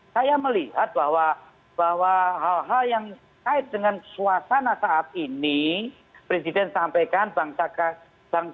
saya melihat bahwa hal hal yang kait dengan suasana saat ini presiden sampaikan bangsa